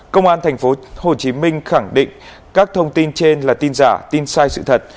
công an thành phố hồ chí minh khẳng định các thông tin trên là tin giả tin sai sự thật